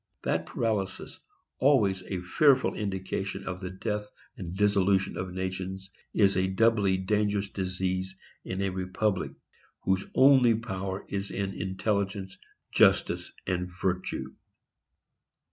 That paralysis, always a fearful indication of the death and dissolution of nations, is a doubly dangerous disease in a republic, whose only power is in intelligence, justice and virtue.